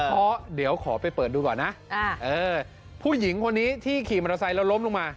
เพราะเดี๋ยวขอไปเปิดดูก่อนนะผู้หญิงคนนี้ที่ขี่มอเตอร์ไซค์แล้วล้มลงมา